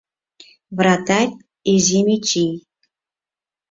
Вратарь изи Мичий